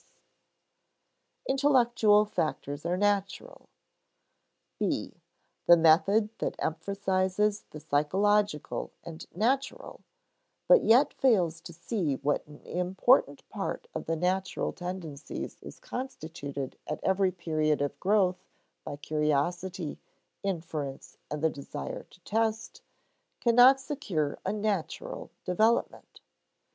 [Sidenote: Intellectual factors are natural] (b) The method that emphasizes the psychological and natural, but yet fails to see what an important part of the natural tendencies is constituted at every period of growth by curiosity, inference, and the desire to test, cannot secure a natural development.